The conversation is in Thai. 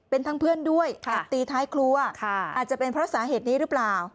เป็นทั้งเพื่อนด้วยแอบตีท้ายครัวอาจจะเป็นเพราะสาเหตุนี้หรือเปล่า